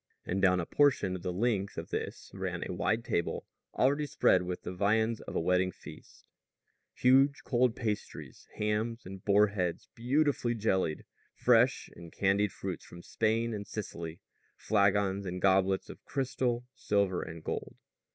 And down a portion of the length of this ran a wide table already spread with the viands of a wedding feast huge cold pasties, hams and boarheads beautifully jellied, fresh and candied fruits from Spain and Sicily, flagons and goblets of crystal, silver, and gold.